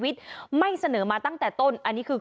ทีนี้จากรายทื่อของคณะรัฐมนตรี